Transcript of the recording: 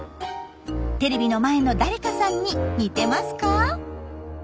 テレビの前の誰かさんに似てますか？